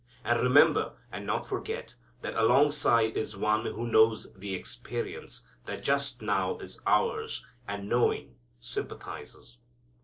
And remember, and not forget, that alongside is One who knows the experience that just now is ours, and, knowing, sympathizes.